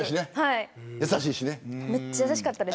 めっちゃ優しかったです。